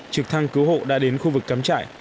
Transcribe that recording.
trực thăng cứu hộ đã đến khu vực cắm trại